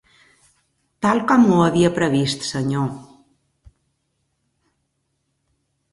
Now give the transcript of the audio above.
Tal com ho havia previst, senyor.